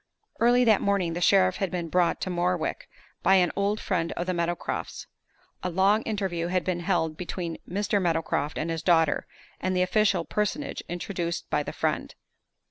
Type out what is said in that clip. Early that morning the sheriff had been brought to Morwick by an old friend of the Meadowcrofts. A long interview had been held between Mr. Meadowcroft and his daughter and the official personage introduced by the friend.